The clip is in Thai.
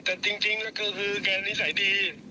แต่จริงแล้วก็คือแกนิสัยดี